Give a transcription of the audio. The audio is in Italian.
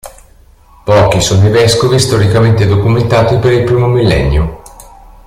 Pochi sono i vescovi storicamente documentati per il primo millennio.